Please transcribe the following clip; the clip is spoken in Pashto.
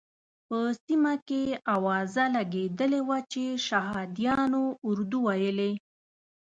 په سیمه کې اوازه لګېدلې وه چې شهادیانو اردو ویلې.